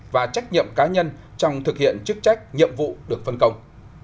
và trách nhiệm cá nhân trong thực hiện chức trách nhiệm vụ được phân công